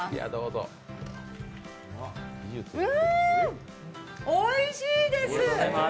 うん、おいしいです。